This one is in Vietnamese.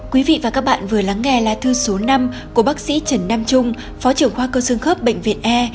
quý vị và các bạn vừa lắng nghe lá thư số năm của bác sĩ trần nam trung phó trưởng khoa cơ xương khớp bệnh viện e